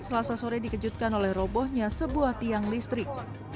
selasa sore dikejutkan oleh robohnya sebuah tiang listrik